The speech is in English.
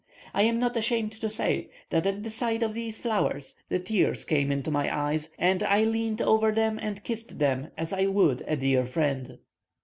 I am not ashamed to say, that at the sight of these flowers the tears came into my eyes, and I leant over them and kissed them as I would a dear friend.